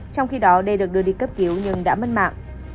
trong khi đó đê được đưa đi cấp cứu nhưng đã mất mạng